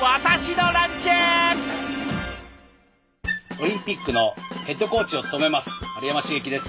オリンピックのヘッドコーチを務めます丸山茂樹です